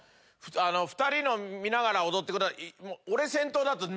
２人の見ながら踊ってくだ。